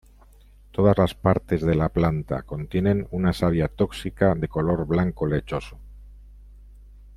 Todas las partes de la planta contienen una savia tóxica de color blanco lechoso.